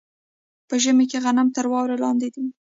په ژمي کې غنم تر واورې لاندې وي.